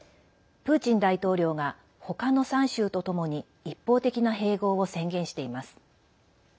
プーチン大統領が他の３州とともに一方的な併合を宣言しています。